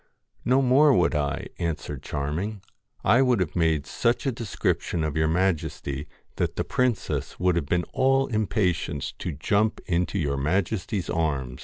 170 'No more would I,* answered Charming; 'I would THE FAIR have made such a description of your majesty, that JjJrfS the princess would have been all impatience to GO LDEN jump into your majesty's arms.'